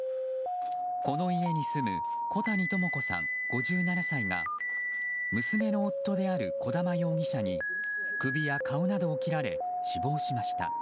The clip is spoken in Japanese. この家に住む小谷朋子さん、５７歳が娘の夫である児玉容疑者に首や顔などを切られ死亡しました。